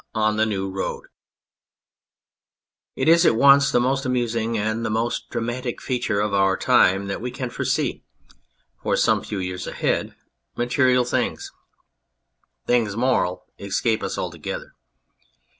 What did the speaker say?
257 s THE NEW ROAD IT is at once the most amusing and the most dramatic feature of our time that we can foresee for some few years ahead material things. Things moral escape us altogether.